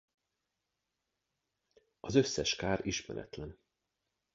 Az összes kár ismeretlen.